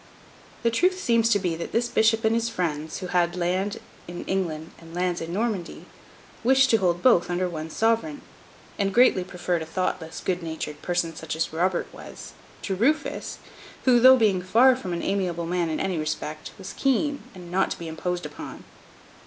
The truth seems to be that this bishop and his friends, who had lands in England and lands in Normandy, wished to hold both under one Sovereign; and greatly preferred a thoughtless good natured person, such as Robert was, to Rufus; who, though far from being an amiable man in any respect, was keen, and not to be imposed upon.